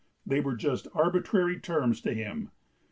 They were just arbitrary terms to him.